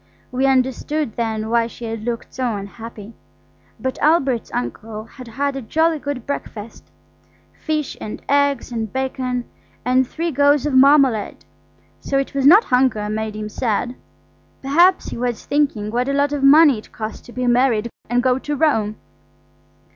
We understood then why she had looked so unhappy. But Albert's uncle had had a jolly good breakfast–fish and eggs and bacon and three goes of marmalade. So it was not hunger made him sad. Perhaps he was thinking what a lot of money it cost to be married and go to Rome.